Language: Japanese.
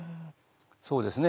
そうですね。